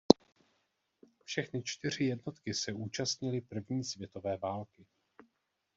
Všechny čtyři jednotky se účastnily první světové války.